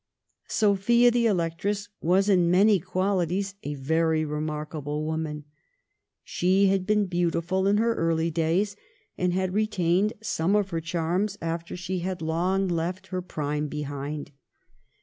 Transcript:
Sophia the Electress was in many qualities a very remarkable woman. She had been beautiful in her early days, and had retained some of her charms after she had long left her prime behind.